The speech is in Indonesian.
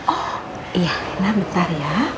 oh iya nah bentar ya